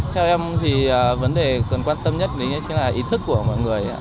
theo em thì vấn đề cần quan tâm nhất chính là ý thức của mọi người ạ